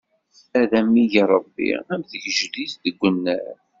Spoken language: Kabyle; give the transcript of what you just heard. Ad am-ig Ṛebbi am tgejdit deg unnar!